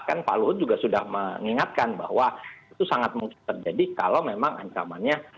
kan pak luhut juga sudah mengingatkan bahwa itu sangat mungkin terjadi kalau memang ancamannya